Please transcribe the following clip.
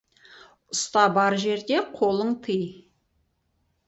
ұста бар жерде қолың тый.